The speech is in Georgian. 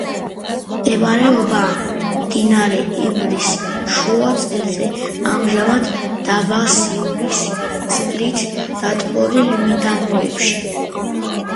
მდებარეობდა მდინარე ივრის შუაწელზე, ამჟამად დაბა სიონის წყლით დატბორილ მიდამოებში.